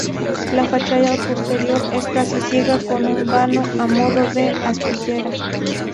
La fachada posterior es casi ciega, con un vano a modo de aspillera.